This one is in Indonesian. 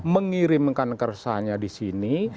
mengirimkan keresahnya di sini